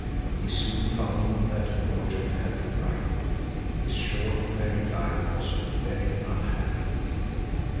He soon found that the portrait had been right. His short married life was very unhappy.